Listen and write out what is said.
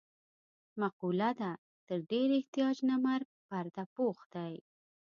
مقوله ده: تر ډېر احتیاج نه مرګ پرده پوښ دی.